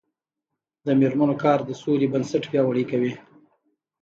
د میرمنو کار د سولې بنسټ پیاوړی کوي.